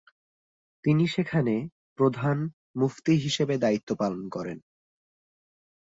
তিনি সেখানে প্রধান মুফতি হিসেবে দায়িত্ব পালন করেন।